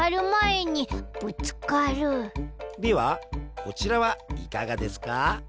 ではこちらはいかがですか？